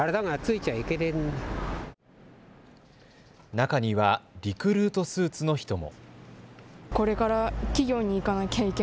中にはリクルートスーツの人も。